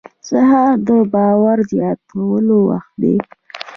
سهار د باور زیاتولو وخت دی.